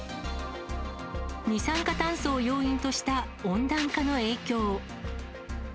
二酸化炭素を要因とした温暖化の影響。